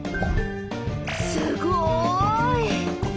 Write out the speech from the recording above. すごい！